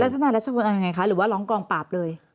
แล้วท่านท่านรัชบนยังไงคะหรือว่าร้องกองปราบเลย